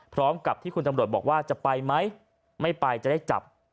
พร้อมกับที่คุณตำรวจบอกว่าจะไปไหมไม่ไปจะได้จับ